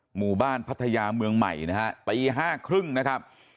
หมู่บ้านพัทยาเมืองใหม่นะครับปี๕ครึ่งนะครับ